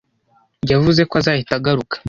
Yavuze ko azahita agaruka.